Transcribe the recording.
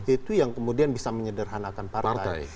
itu yang kemudian bisa menyederhanakan partai